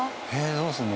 どうするの？